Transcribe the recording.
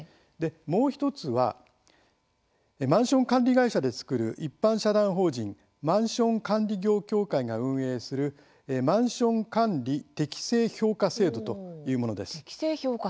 もう１つはマンション管理会社で作る一般社団法人マンション管理業協会が運営するマンション管理適正評価制度というものです。